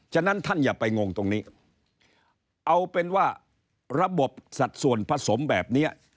ฉะนั้นท่านอย่าไปงงตรงนี้เอาเป็นว่าระบบสัดส่วนผสมแบบนี้